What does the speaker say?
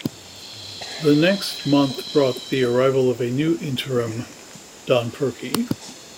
The next month, brought the arrival of a new Interim, Don Purkey.